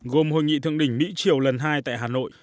gồm hội nghị thượng đỉnh mỹ triều lần hai tại hà nội